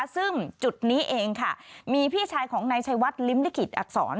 ซึ่งจุดนี้เองค่ะมีพี่ชายของนายชัยวัดลิ้มลิขิตอักษร